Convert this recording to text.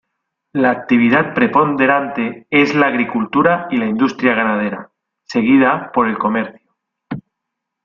La actividad preponderante es la agricultura y la industria ganadera, seguida por el comercio.